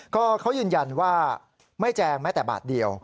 ก็เขายืนยันว่าไม่แจงแม้แต่บาทเดียว